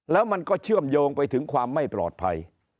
แล้วมันก็เชื่อมโยงไปถึงความไม่ปลอดภัย